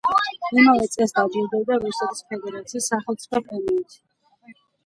იმავე წელს დაჯილდოვდა რუსეთის ფედერაციის სახელმწიფო პრემიით.